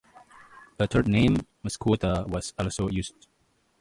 A third name, "Muscoota", was also used.